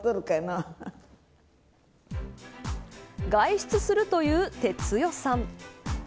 外出するという哲代さん。